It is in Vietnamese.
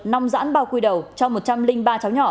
nong giãn bao quy đầu cho một trăm linh ba cháu nhỏ